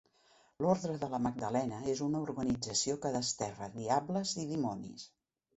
L'Ordre de la Magdalena és una organització que desterra diables i dimonis.